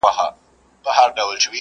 تعلیم د سوله ییز ژوند لپاره بنسټیز دی.